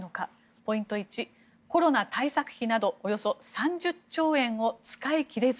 ポイント１、コロナ対策費などおよそ３０兆円を使い切れず。